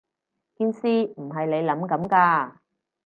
件事唔係你諗噉㗎